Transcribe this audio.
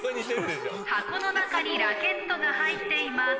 箱の中にラケットが入っています。